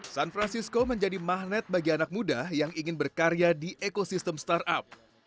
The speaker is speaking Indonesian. san francisco menjadi magnet bagi anak muda yang ingin berkarya di ekosistem startup